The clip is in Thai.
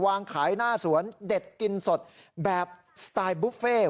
วางขายหน้าสวนเด็ดกินสดแบบสไตล์บุฟเฟ่